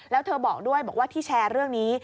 แล้วเธอบอกด้วยบอกว่าที่แชร์เรื่องนี้